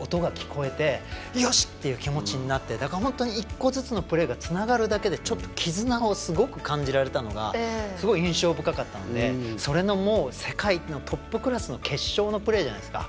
いく気持ちになって本当に１個ずつのプレーがつながるだけで絆をすごく感じられたのが印象深かったのでそれの、世界のトップクラスの決勝のプレーじゃないですか。